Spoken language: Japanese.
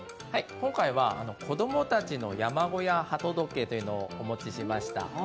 今回は、こどもたちの山小屋鳩時計というのをお持ちしました。